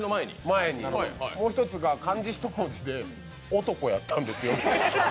もう一つが、漢字一文字で「男」やったんですよ。